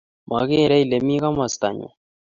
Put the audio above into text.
Mekere Ile mi komostanyu